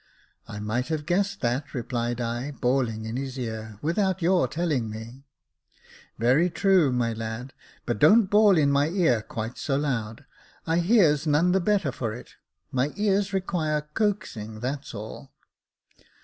" I might have guessed that," replied I, bawling in his ear, " without your telling me." " Very true, my lad ; but don't bawl in my ear quite so loud, I hears none the better for it ; my ears require coaxing, that's all."